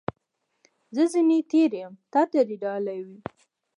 زه ځني تېر یم ، تا ته دي ډالۍ وي .